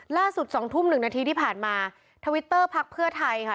ล่าสุด๒ทุ่ม๑นาทีที่ผ่านมาทวิตเตอร์พลักษณ์เพื่อไทยค่ะ